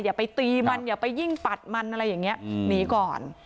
อย่าไปตีมันอย่าไปยิ่งปัดมันอะไรอย่างนี้หนีก่อน